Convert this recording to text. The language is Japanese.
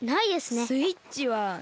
「スイッチはない」。